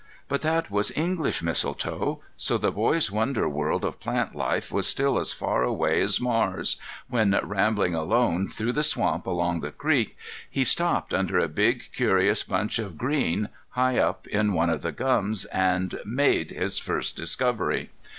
But that was English mistletoe; so the boy's wonder world of plant life was still as far away as Mars, when, rambling alone through the swamp along the creek, he stopped under a big curious bunch of green, high up in one of the gums, and—made his first discovery.